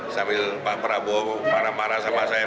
sambil pak prabowo marah marah sama saya